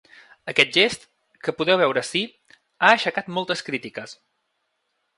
Aquest gest, que podeu veure ací, ha aixecat moltes crítiques.